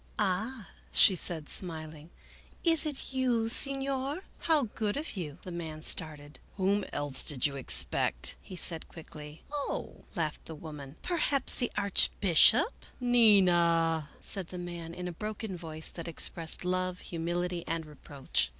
" Ah," she said, smiling, " it is you, Senor ? How good of you !" The man started. " Whom else did you expect? " he said quickly. " Oh !" laughed the woman, " perhaps the Archbishop." " Nina !" said the man, in a broken voice that expressed love, humility, and reproach.